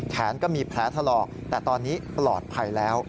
แขนก็มีแผลถลอกแต่ตอนนี้ปลอดภัยแล้ว